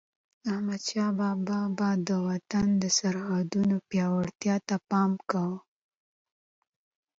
احمدشاه بابا به د وطن د سرحدونو پیاوړتیا ته پام کاوه.